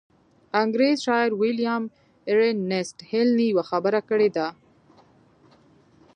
انګرېز شاعر ويليام ايرنيسټ هينلي يوه خبره کړې ده.